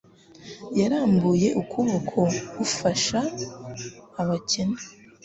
Yarambuye ukuboko gufasha abakene.